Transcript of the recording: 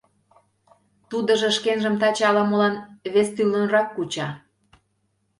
Тудыжо шкенжым таче ала-молан вес тӱрлынрак куча.